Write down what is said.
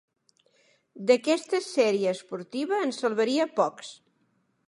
D'aquesta sèrie esportiva en salvaria pocs.